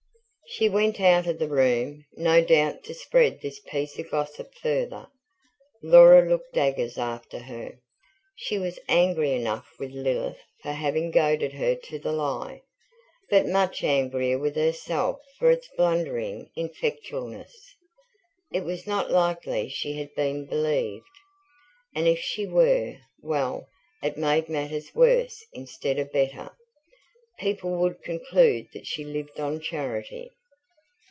She went out of the room no doubt to spread this piece of gossip further. Laura looked daggers after her. She was angry enough with Lilith for having goaded her to the lie, but much angrier with herself for its blundering ineffectualness. It was not likely she had been believed, and if she were, well, it made matters worse instead of better: people would conclude that she lived on charity.